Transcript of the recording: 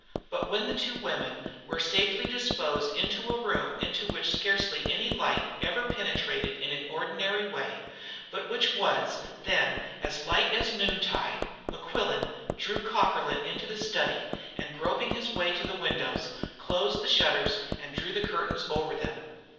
But when the two women were safely disposed of in a room into which scarcely any light ever penetrated in an ordinary way, but which was then as light as noontide, Mequillen drew Cockerlyne into the study, and, groping his way to the windows, closed the shutters and drew the curtains over them.